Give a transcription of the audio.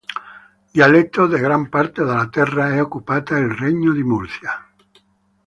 Dialetto de gran parte della terra è occupato il Regno di Murcia.